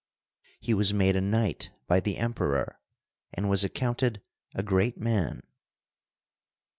He was made a knight by the Emperor, and was accounted a great man.